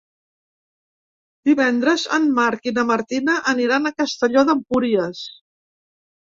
Divendres en Marc i na Martina aniran a Castelló d'Empúries.